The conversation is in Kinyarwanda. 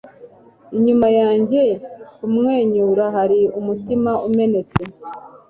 inyuma yanjye kumwenyura hari umutima umenetse